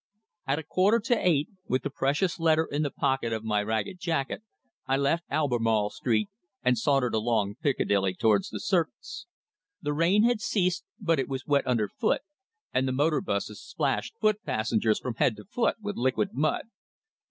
At a quarter to eight, with the precious letter in the pocket of my ragged jacket, I left Albemarle Street and sauntered along Piccadilly towards the Circus. The rain had ceased, but it was wet underfoot, and the motor buses plashed foot passengers from head to foot with liquid mud.